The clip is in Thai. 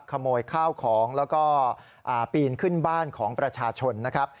ขโมยข้าวของแล้วก็ปีนขึ้นบ้านของประชาชนนะครับ